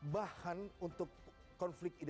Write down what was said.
bahan untuk konflik